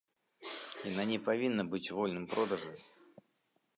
Яна не павінна быць у вольным продажы.